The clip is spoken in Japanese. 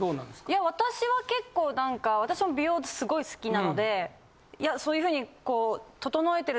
いや私は結構何か私も美容すごい好きなのでそういうふうに。